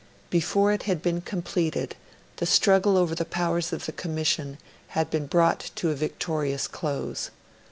Before it had been completed, the struggle over the powers of the Commission had been brought to a victorious close.